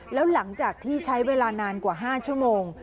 แล้วหลังจากที่ใช้เวลานานกว่า๕ชั่วโมง